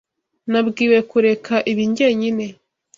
Nabwiwe kureka ibi jyenyine.